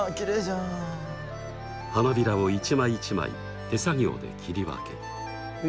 花びらを一枚一枚手作業で切り分け